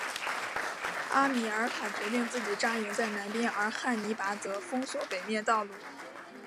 哈米尔卡决定自己扎营在南边而汉尼拔则封锁北面道路。